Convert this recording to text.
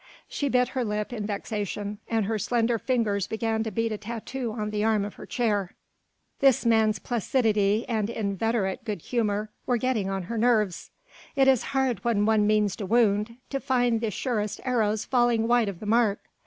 She bit her lip in vexation and her slender fingers began to beat a tattoo on the arm of her chair. This man's placidity and inveterate good humour were getting on her nerves. It is hard when one means to wound, to find the surest arrows falling wide of the mark.